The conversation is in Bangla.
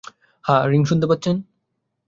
হ্যাঁ রিং শুনতে পাচ্ছেন?